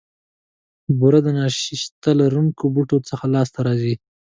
بوره د نیشاسته لرونکو بوټو څخه لاسته راځي.